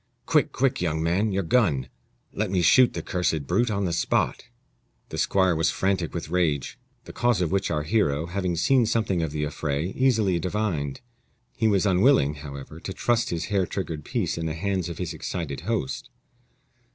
"Quick, quick! young man your gun; let me shoot the cursed brute on the spot." The squire was frantic with rage, the cause of which our hero, having seen something of the affray, easily divined. He was unwilling, however, to trust his hair triggered piece in the hands of his excited host.